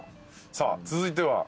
さあ続いては？